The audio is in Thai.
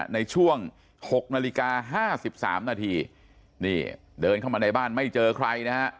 ในช่วง๖นาฬิกา๕๓นาทีนี่เดินเข้ามาในบ้านไม่เจอใครนะฮะ